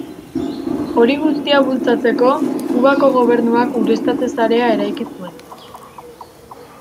Hori guztia bultzatzeko, Kubako gobernuak ureztatze sarea eraiki zuen.